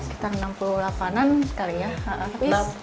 sekitar enam puluh delapan an sekalian